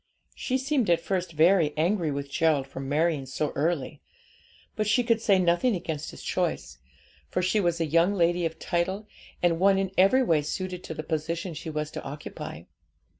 She seemed at first very angry with Gerald for marrying so early; but she could say nothing against his choice, for she was a young lady of title, and one in every way suited to the position she was to occupy.